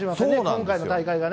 今回の大会がね。